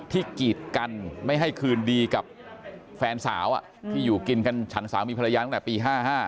กีดกันไม่ให้คืนดีกับแฟนสาวที่อยู่กินกันฉันสามีภรรยาตั้งแต่ปี๕๕